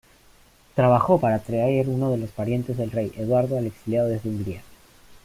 Trabajó para traer uno de los parientes del rey, Eduardo el Exiliado, desde Hungría.